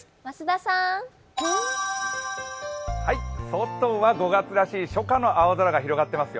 外は５月らしい初夏の青空が広がっています。